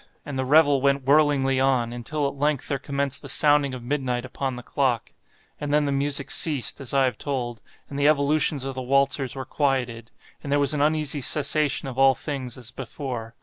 And the revel went whirlingly on, until at length there commenced the sounding of midnight upon the clock. And then the music ceased, as I have told; and the evolutions of the waltzers were quieted; and there was an uneasy cessation of all things as before.